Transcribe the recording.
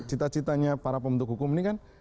cita citanya para pembentuk hukum ini kan